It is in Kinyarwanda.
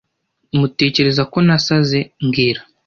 Muratekereza ko nasaze mbwira